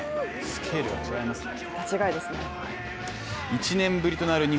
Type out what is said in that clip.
スケールが違いますね。